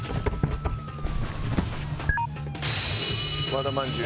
和田まんじゅう。